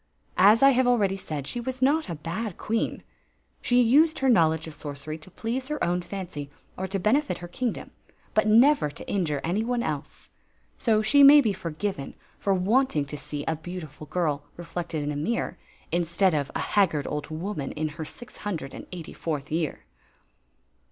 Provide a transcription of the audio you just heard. As i iiave already said, she was not a bad queen. She used Sor knowledge of scHcery to f^ease her omm fancy ch* to tbm^t her kinfdom, but never to isf any one else. So she n«y be forgiven for wa to see a beautiful girl reflected in a mirror, inb Queen Zixi of Ix of a haggard old woman in her six hundred and eighty fourth year.